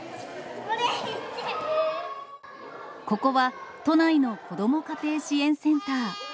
ここは、都内の子ども家庭支援センター。